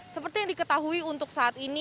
seperti yang diketahui untuk saat ini